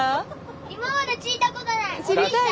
今まで聞いたことない。